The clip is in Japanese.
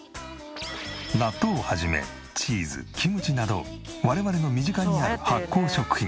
納豆を始めチーズキムチなど我々の身近にある発酵食品。